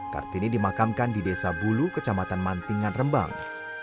kartini dimakamkan di desa bulu kecamatan mantingan rembang